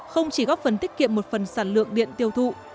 không chỉ góp phần tiết kiệm một phần sản lượng điện tiêu thụ